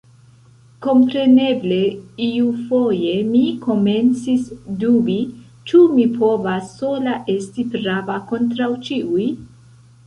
Kompreneble, iufoje mi komencis dubi, ĉu mi povas sola esti prava kontraŭ ĉiuj?